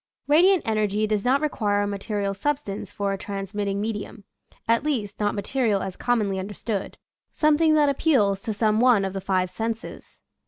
Radiant energy does not require a material substance for a transmitting medium — at least, not material as commonly understood — something that appeals to some one of the five senses.